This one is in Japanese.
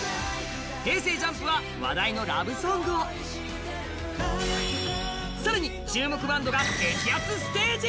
ＪＵＭＰは話題のラブソングを更に注目バンドが激アツステージ